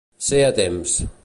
Ser a temps.